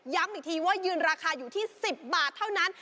อีกทีว่ายืนราคาอยู่ที่๑๐บาทเท่านั้น